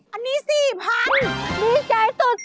อันนี้๔๐๐๐ดีใจสุด